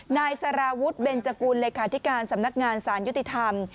นายสารวุฒิเบนจกุลเลขาธิการสำนักงานสารยุติธรรม